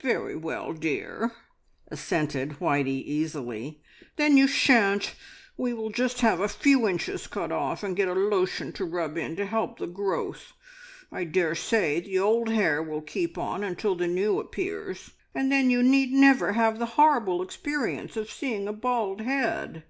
"Very well, dear," assented Whitey easily. "Then you shan't. We will just have a few inches cut off, and get a lotion to rub in to help the growth. I daresay the old hair will keep on until the new appears, and then you need never have the horrible experience of seeing a bald head."